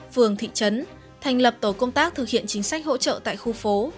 phường thị trấn thành lập tổ công tác thực hiện chính sách hỗ trợ tại khu phố